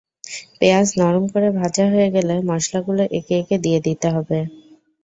পেঁয়াজ নরম করে ভাজা হয়ে গেলে মসলাগুলো একে একে দিয়ে দিতে হবে।